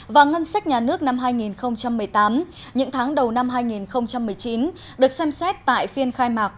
và ngân sách nhà nước năm hai nghìn một mươi tám những tháng đầu năm hai nghìn một mươi chín được xem xét tại phiên khai mạc